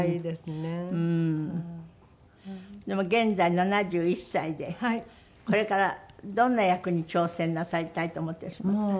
でも現在７１歳でこれからどんな役に挑戦なさりたいと思ってらっしゃいますか？